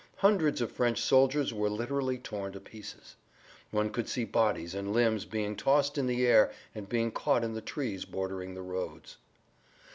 Hundreds of French soldiers were literally torn to pieces. One could see bodies and limbs being tossed in the air and being caught in the trees bordering the roads.